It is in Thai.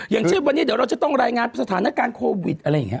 อย่างเช่นวันนี้เดี๋ยวเราจะต้องรายงานสถานการณ์โควิดอะไรอย่างนี้